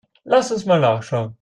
Lass uns mal nachsehen.